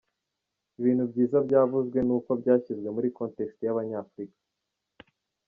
Ibintu byiza byavuzwe, n’uko byashyizwe muri context y’Abanyafurika.